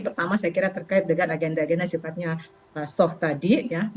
pertama saya kira terkait dengan agenda agenda sifatnya soh tadi